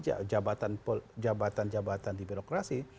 jabatan jabatan di birokrasi